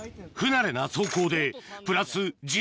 不慣れな走行でプラス１８